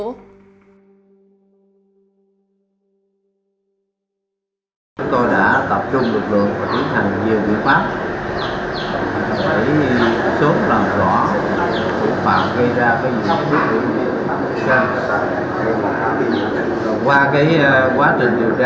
cơ quan điều tra cũng làm rõ vụ phạm gây ra vụ cướp của nghi phạm điều tra